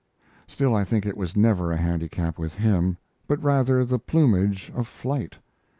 Still I think it was never a handicap with him, but rather the plumage of flight.